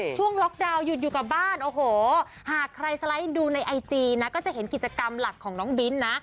ช่วงล็อกดาวน์หยุดอยู่กับบ้านโอ้โหหากใครสไลด์ดูในไอจีนะก็จะเห็นกิจกรรมหลักของน้องบิ้นนะ